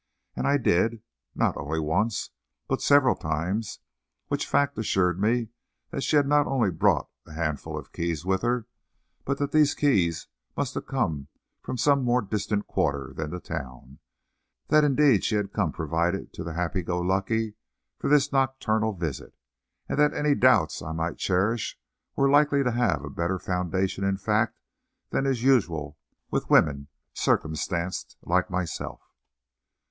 And I did, and not only once, but several times, which fact assured me that she had not only brought a handful of keys with her, but that these keys must have come from some more distant quarter than the town; that indeed she had come provided to the Happy Go Lucky for this nocturnal visit, and that any doubts I might cherish were likely to have a better foundation in fact than is usual with women circumstanced like myself.